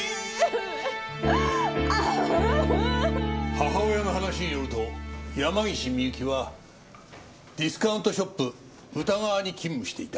母親の話によると山岸ミユキはディスカウントショップ宇田川に勤務していた。